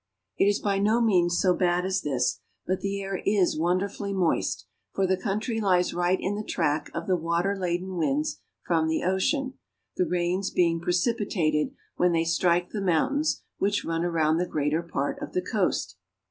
It is by no means so bad as this, but the air is wonder fully moist, for the country lies right in the track of the water laden winds from the ocean, the rains being precipi tated when they strike the mountains which run around the greater part of the coast.